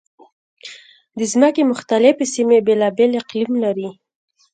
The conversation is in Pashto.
د ځمکې مختلفې سیمې بېلابېل اقلیم لري.